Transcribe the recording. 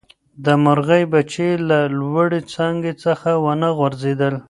د مرغۍ بچي له لوړې څانګې څخه ونه غورځېدل.